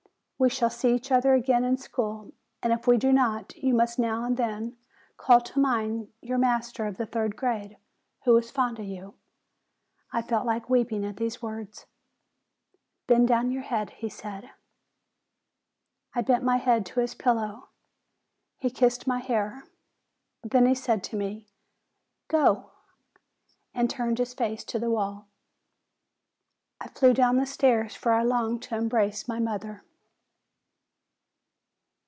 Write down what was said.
We shall see each other again in school. And if we do not, you must now and then call to mind your master of the third grade, who was fond of you." I felt like weeping at these words. "Bend down your head," he said. THE STREET 163 I bent my head to his pillow; he kissed my hair. Then he said to me, "Go!" and turned his face to the wall. I flew down the stairs ; for I longed to embrace my mother.